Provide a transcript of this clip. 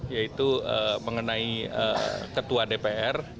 yaitu mengenai ketua dpr